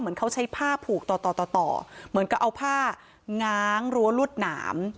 เหมือนเขาใช้ผ้าผูกต่อต่อเหมือนกับเอาผ้าง้างรั้วรวดหนาม